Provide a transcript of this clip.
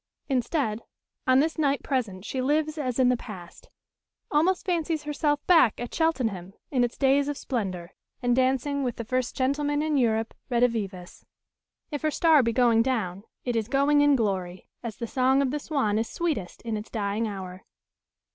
Instead, on this night present she lives as in the past; almost fancies herself back at Cheltenham in its days of splendour, and dancing with the "first gentleman in Europe" redivivus. If her star be going down, it is going in glory, as the song of the swan is sweetest in its dying hour.